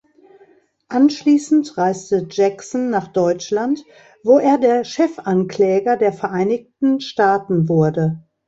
Anschließend reiste Jackson nach Deutschland, wo er der Chefankläger der Vereinigten Staaten wurde.